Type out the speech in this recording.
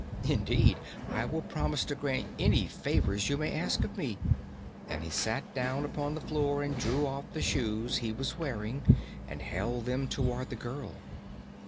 Indeed, I will promise to grant any favors you may ask of me," and he sat down upon the floor and drew off the shoes he was wearing and held them toward the girl.